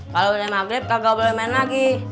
kalau udah maghrib nggak boleh main lagi